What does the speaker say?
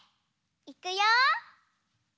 いくよ！